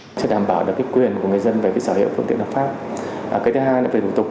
chúng tôi sẽ đảm bảo được quyền của người dân về sở hữu phương tiện hợp pháp cái thứ hai là về thủ tục